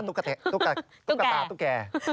ตุ๊กตาตุ๊กแก่